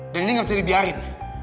dan ini gak bisa dibiarkan